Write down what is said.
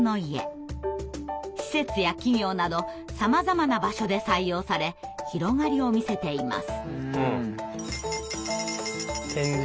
施設や企業などさまざまな場所で採用され広がりを見せています。